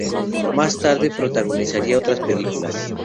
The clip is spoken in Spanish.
Más tarde, protagonizaría otras películas.